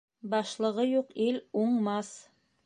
Башлығы юҡ ил уңмаҫ.